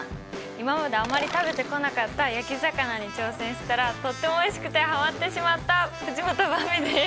今まであまり食べてこなかった焼き魚に挑戦したらとってもおいしくてはまってしまった藤本ばんびです！